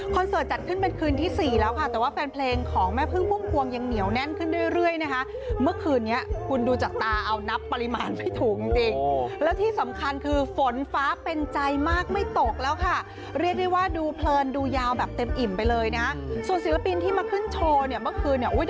เสิร์ตจัดขึ้นเป็นคืนที่สี่แล้วค่ะแต่ว่าแฟนเพลงของแม่พึ่งพุ่มพวงยังเหนียวแน่นขึ้นเรื่อยเรื่อยนะคะเมื่อคืนนี้คุณดูจากตาเอานับปริมาณไม่ถูกจริงแล้วที่สำคัญคือฝนฟ้าเป็นใจมากไม่ตกแล้วค่ะเรียกได้ว่าดูเพลินดูยาวแบบเต็มอิ่มไปเลยนะส่วนศิลปินที่มาขึ้นโชว์เนี่ยเมื่อคืนเนี่ยอุ้ย